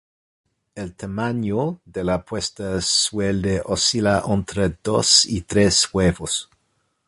El tamaño de la puesta suele oscilar entre dos y tres huevos.